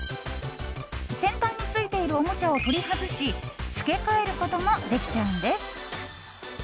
先端についているおもちゃを取り外し付け替えることもできちゃうんです。